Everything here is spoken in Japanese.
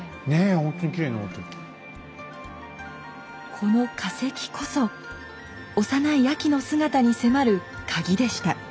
この化石こそ幼いあきの姿に迫るカギでした。